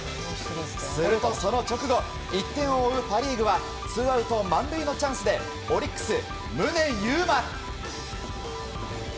すると、その直後１点を追うパ・リーグはツーアウト満塁のチャンスでオリックス、宗佑磨。